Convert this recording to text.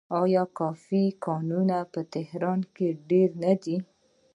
آیا کافې ګانې په تهران کې ډیرې نه دي؟